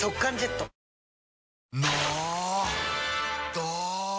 ど！